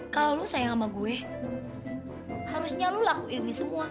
kalau lo sayang sama gue harusnya lo lakuin ini semua